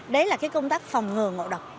đấy là công tác phòng ngừa ngộ độc